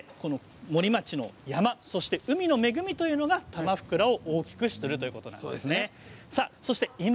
この森町の山、そして海の恵みがたまふくらを大きくしているということですね。